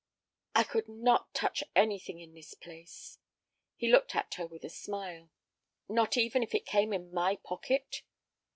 "I could not touch anything in this place." He looked at her with a smile. "Not even if it came in my pocket?"